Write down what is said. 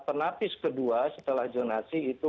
penapis kedua setelah zonasi itu